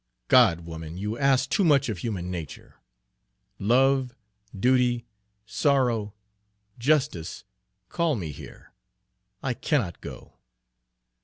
God! woman, you ask too much of human nature! Love, duty, sorrow, justice, call me here. I cannot go!"